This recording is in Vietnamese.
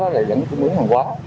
vẫn cũng bướng hàng quá